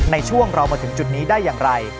ในช่วงเรามาถึงจุดนี้ได้อย่างไร